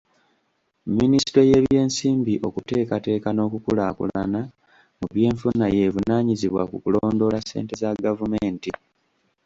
Minisitule y'ebyensimbi, okuteekateeka n'okukulaakulana mu byenfuna y'evunaanyizibwa ku kulondoola ssente za gavumenti.